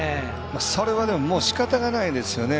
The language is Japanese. それは、もうしかたがないですよね。